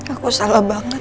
aku salah banget